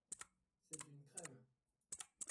C’est une crème !…